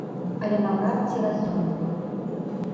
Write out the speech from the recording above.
Але наўрад ці разумная.